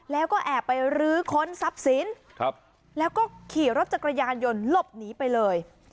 แล้วก็แอบไปรื้อค้นทรัพย์สินแล้วก็ขี่รถจักรยานยนต์หลบหนีไปเลย